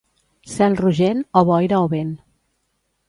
Cel rogent, o boira o vent.